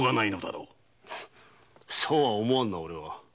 そうは思わんなオレは。